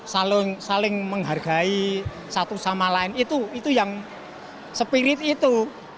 saling menghargai satu sama lain itu yang spirit itu